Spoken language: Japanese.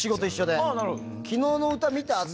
昨日の歌、見た？